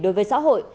đối với xã hội